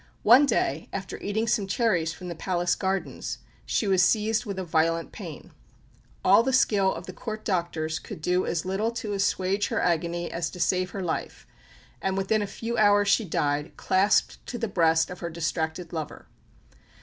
One day, after eating some cherries from the palace gardens, she was seized with a violent pain. All the skill of the Court doctors could do as little to assuage her agony as to save her life; and within a few hours she died, clasped to the breast of her distracted lover!